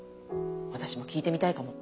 私も聞いてみたいかも。